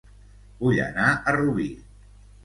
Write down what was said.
Vull anar a Rubí